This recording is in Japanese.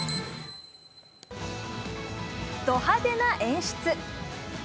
ど派手な演出。